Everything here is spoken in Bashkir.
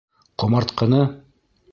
Ҡомартҡыны?